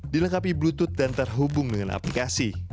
dilengkapi bluetooth dan terhubung dengan aplikasi